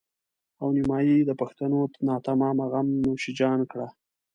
او نيمایي د پښتنو ناتمامه غم نوش جان کړه.